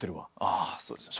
ああそうですよね。